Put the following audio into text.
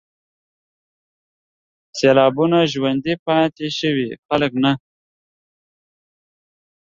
سېلابونو ژوندي پاتې شوي خلک نه